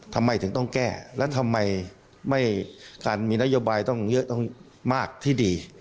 ทำไมถึงต้องแก้และทำไมการมีนโยบายถึงมากที่ดี